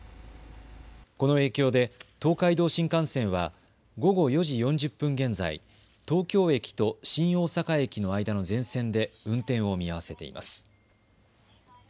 この影響で東海道新幹線は午後４時４０分現在、東京駅と新大阪駅の間の全線で運転を見合わせています。